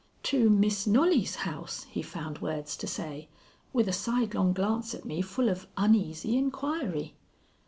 "To Miss Knollys' house," he found words to say, with a sidelong glance at me full of uneasy inquiry.